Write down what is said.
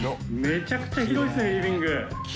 めちゃくちゃ広いですねリビング。